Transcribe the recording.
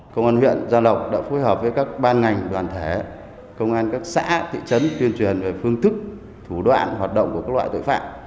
công an huyện gia lộc đã phối hợp với các ban ngành đoàn thể công an các xã thị trấn tuyên truyền về phương thức thủ đoạn hoạt động của các loại tội phạm